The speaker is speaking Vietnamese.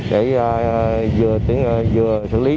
để vừa xử lý